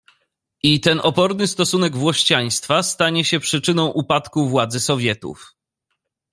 "I ten oporny stosunek włościaństwa stanie się przyczyną upadku władzy Sowietów."